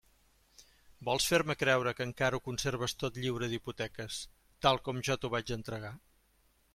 Vols fer-me creure que encara ho conserves tot lliure d'hipoteques, tal com jo t'ho vaig entregar?